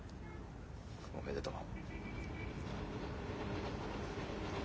おめでとう。